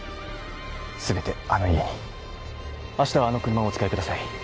全てあの家に明日はあの車をお使いください